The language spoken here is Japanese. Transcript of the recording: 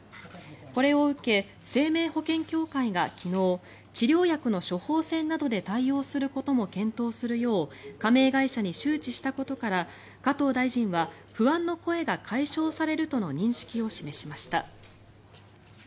これを受け生命保険協会が昨日治療薬の処方せんなどでも対応することも検討するよう加盟会社に周知したことから加藤大臣は不安の声が解消されるとの認識を示しました。